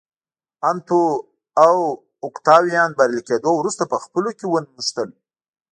انتو او اوکتاویان بریالي کېدو وروسته په خپلو کې ونښتل